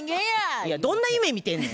いやどんな夢見てんねん。